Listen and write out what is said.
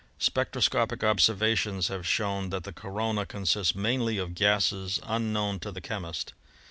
"Spectroscopic observations have shown that the corona consists mainly of gases unknown to the chemist.